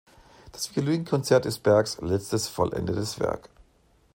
Das Violinkonzert ist Bergs letztes vollendetes Werk.